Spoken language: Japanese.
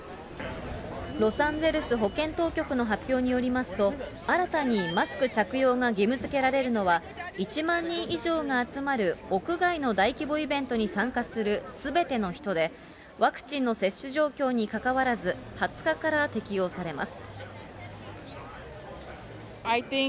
ロサンゼルス保健当局の発表によりますと、新たにマスク着用が義務づけられるのは、１万人以上が集まる屋外の大規模イベントに参加するすべての人で、ワクチンの接種状況にかかわらず、２０日から適用されます。